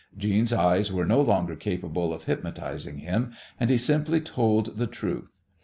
Jeanne's eyes were no longer capable of hypnotizing him, and he simply told the truth.